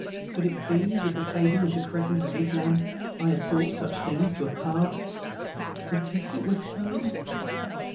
Could it be? With the fading of the crescent of Islam I had thought such things to have passed. But if it were so?